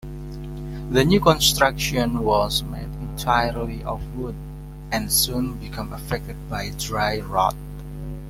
The new construction was made entirely of wood and soon became affected by dry-rot.